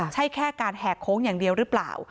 ใช่แค่การแหกโค้งอย่างเดียวหรือเปล่า